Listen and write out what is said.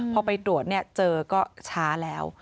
พอไปตรวจเจอก็ช้าแล้ว